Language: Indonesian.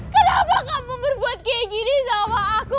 kenapa kamu berbuat kayak gini sama aku